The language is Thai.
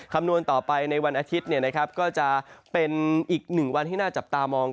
คำนวณต่อไปในวันอาทิตย์ก็จะเป็นอีกหนึ่งวันที่น่าจับตามอง